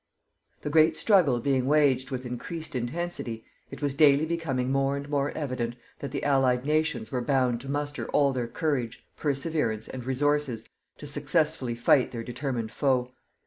The great struggle being waged with increased intensity, it was daily becoming more and more evident that the Allied nations were bound to muster all their courage, perseverance and resources to successfully fight their determined foe.